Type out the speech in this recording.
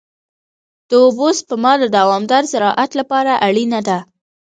د اوبو سپما د دوامدار زراعت لپاره اړینه ده.